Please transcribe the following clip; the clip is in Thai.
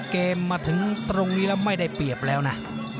เกมมาถึงตรงนี้แล้วไม่ได้เปรียบแล้วนะ